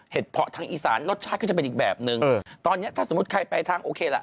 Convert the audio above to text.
เพาะทางอีสานรสชาติก็จะเป็นอีกแบบนึงตอนเนี้ยถ้าสมมุติใครไปทางโอเคล่ะ